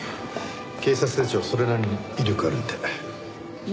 警察手帳それなりに威力あるんで。